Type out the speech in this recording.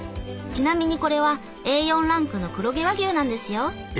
ちなみにこれはＡ４ランクの黒毛和牛なんですよ。